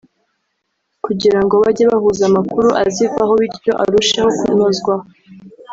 kugira ngo bajye bahuza amakuru azivaho bityo arushesho kunozwa